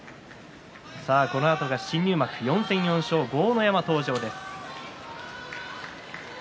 このあと新入幕４戦４勝豪ノ山、登場です。